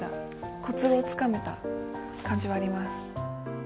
コツをつかめた感じはあります。